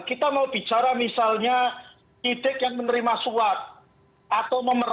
kita mau bicara misalnya idek yang menerima suat atau memeras